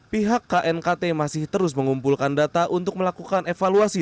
pihak knkt masih terus mengumpulkan data untuk melakukan evaluasi